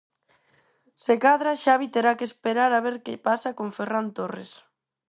Se cadra Xavi terá que esperar a ver que pasa con Ferrán Torres.